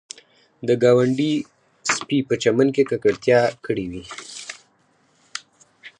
د ګاونډي سپي په چمن کې ککړتیا کړې وي